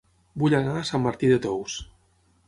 Vull anar a Sant Martí de Tous